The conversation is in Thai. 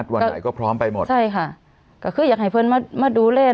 จะพร้อมออกไหลหรือไม่ครับ